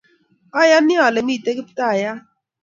Ayani ale mitei Kiptaiyat